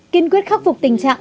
kiên quyết khắc phục tình trạng